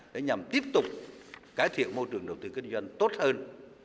để nhằm tiếp tục cải thiện môi trường đầu tư kinh doanh tốt hơn